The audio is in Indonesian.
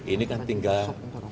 ini kan tinggal